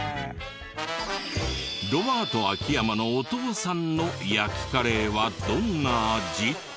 ロバート秋山のお父さんの焼きカレーはどんな味？